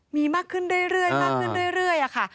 มีมากขึ้นเรื่อยอะค่ะ